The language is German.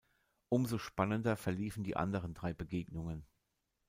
Umso spannender verliefen die anderen drei Begegnungen.